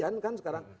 kasian kan sekarang